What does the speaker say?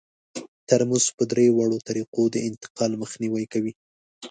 ترموز په درې واړو طریقو د انتقال مخنیوی کوي.